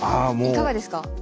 いかがですか？